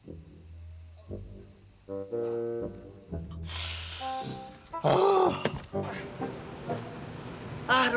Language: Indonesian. jadi misalnya makan issen atau makan